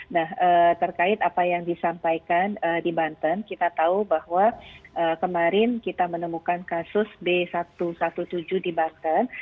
nah terkait apa yang disampaikan di banten kita tahu bahwa kemarin kita menemukan kasus b satu satu tujuh di banten